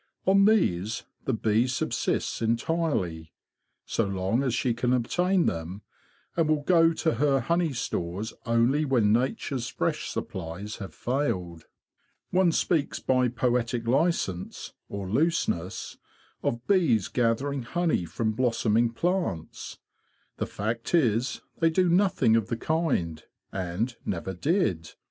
On these the bee subsists entirely, so long as she can obtain them, and will go to her honey stores only when nature's fresh supplies have failed. One speaks by poetic licence, or looseness, of bees gathering honey from blos soming plants. The fact is they do nothing of the kind, and never did.